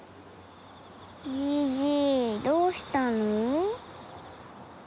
じいじどうしたの？